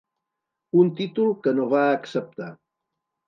Un títol que no va acceptar.